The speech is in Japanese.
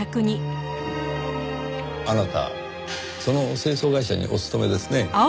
あなたその清掃会社にお勤めですね。